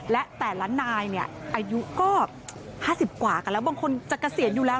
และแต่ละนายเนี่ยอายุก็๕๐กว่ากันแล้วบางคนจะเกษียณอยู่แล้ว